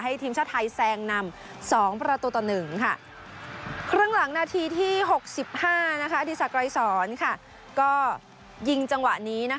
ทีมชาติไทยแซงนำ๒ประตูต่อ๑ค่ะ